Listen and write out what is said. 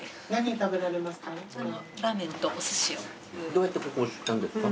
どうやってここを知ったんですか？